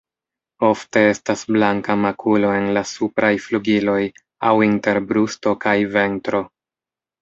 Ofte estas blanka makulo en la supraj flugiloj aŭ inter brusto kaj ventro.